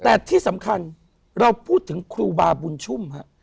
แต่ที่สำคัญเราพูดถึงครูบาบุญชุ่มฮะ